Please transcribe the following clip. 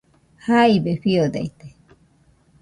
Jaibe fiodaite